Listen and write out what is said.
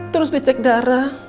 terus dicek darah